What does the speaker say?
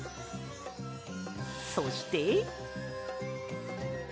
そして。